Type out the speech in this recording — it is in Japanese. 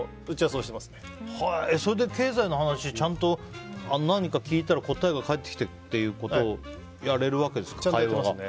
それで経済の話ちゃんと何か聞いたら答えが返ってきてっていうことをやれるわけですか、会話が。